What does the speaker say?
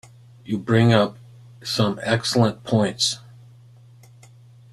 You bring up some excellent points.